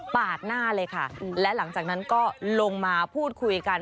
หน้าเลยค่ะและหลังจากนั้นก็ลงมาพูดคุยกัน